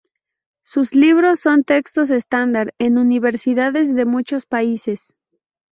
Sus libros son textos estándar en universidades de muchos países.